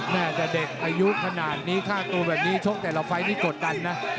แม่แต่เด็กอายุขนาดนี้ค่าตัวแบบนี้ชกแต่ละไฟล์นี่กดดันนะ